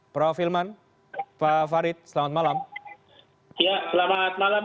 prof hilman pak farid selamat malam